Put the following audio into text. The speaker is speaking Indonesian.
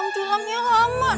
ma aja dia yang nemuin